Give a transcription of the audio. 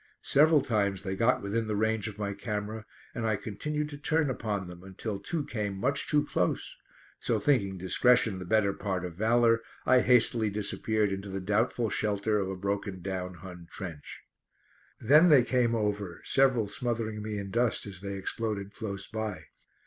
Several times they got within the range of my camera, and I continued to turn upon them until two came much too close, so thinking discretion the better part of valour, I hastily disappeared into the doubtful shelter of a broken down Hun trench. Then they came over, several smothering me in dust as they exploded close by.